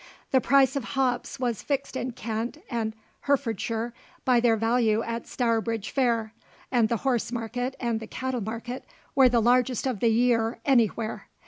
The price of hops was fixed in Kent and Herefordshire by their value at Stourbridge Fair, and the horse market and the cattle market were the largest of the year any where.